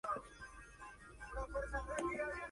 No existen pobladores al interior del parque.